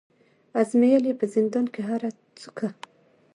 آزمېیل یې په زندان کي هره څوکه